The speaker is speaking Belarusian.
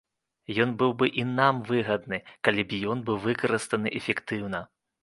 Ён быў бы і нам выгадны, калі б ён быў выкарыстаны эфектыўна.